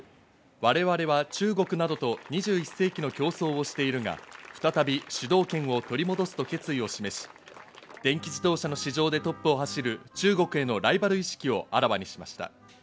我々は中国などと２１世紀の競争をしているが、再び主導権を取り戻すと決意を示し、電気自動車の市場でトップを走る中国へのライバル意識をあらわにしました。